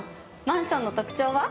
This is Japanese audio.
マンションの特徴は？